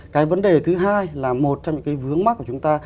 cái vấn đề thứ hai là một trong những cái vướng mắt của chúng ta